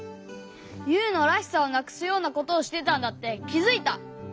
ユウの「らしさ」をなくすようなことをしてたんだってきづいた！